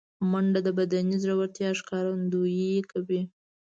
منډه د بدني زړورتیا ښکارندویي کوي